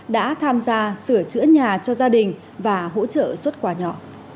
đã tham gia sửa chữa nhà cho gia đình và hỗ trợ xuất quà nhỏ